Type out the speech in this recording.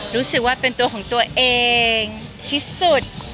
รู้สึกว่าเป็นตัวของตัวเองที่สุด